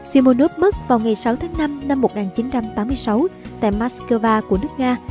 simonov mất vào ngày sáu tháng năm năm một nghìn chín trăm tám mươi sáu tại moscow của nước nga